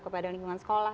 kepada lingkungan sekolah